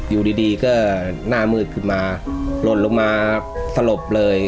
อยู่ดีก็หน้ามืดขึ้นมาหล่นลงมาสลบเลย